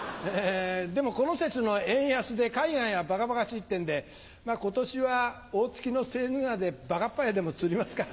でもこの節の円安で海外がばかばかしいってんで今年は大月のセーヌ川でバカッパヤでも釣りますか。